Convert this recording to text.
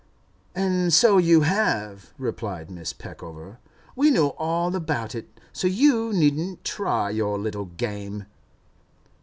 'And so you have,' replied Mrs. Peckover. 'We know all about it, so you needn't try your little game.